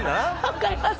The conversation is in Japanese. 分かります